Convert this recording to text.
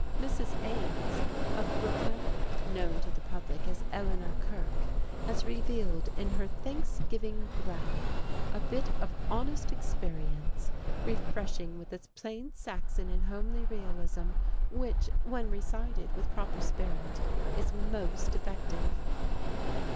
Mrs. Ames, of Brooklyn, known to the public as "Eleanor Kirk," has revealed in her "Thanksgiving Growl" a bit of honest experience, refreshing with its plain Saxon and homely realism, which, when recited with proper spirit, is most effective.